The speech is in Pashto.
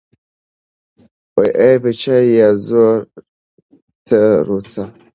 ای بچای، یازور ته روڅه